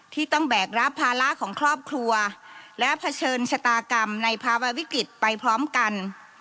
ที่ต้องแบกรับภาระของครอบครัวและเผชิญชะตากรรมในภาวะวิกฤตไปพร้อมกัน